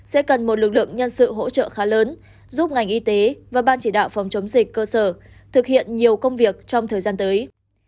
sẽ cần một lực lượng nhân sự hỗ trợ khá lớn giúp ngành y tế và ban chỉ đạo phòng chống dịch cơ sở thực hiện nhiều công việc trong thời gian tới